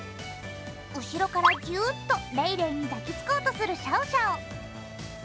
後ろからぎゅーっとレイレイに抱きつこうとするシャオシャオ。